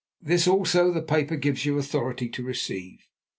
This also the paper gives you authority to receive.